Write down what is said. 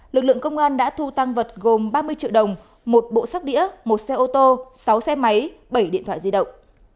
lực lượng công an đã thu tăng vật gồm ba mươi triệu đồng một bộ sắc đĩa một xe ô tô sáu xe máy bảy điện thoại di động